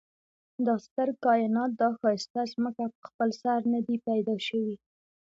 دا ستر کاينات دا ښايسته ځمکه په خپل سر ندي پيدا شوي